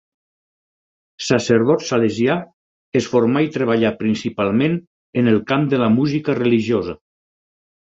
Sacerdot salesià, es formà i treballà principalment en el camp de la música religiosa.